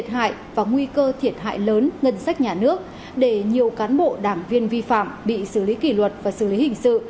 hại và nguy cơ thiệt hại lớn ngân sách nhà nước để nhiều cán bộ đảng viên vi phạm bị xử lý kỷ luật và xử lý hình sự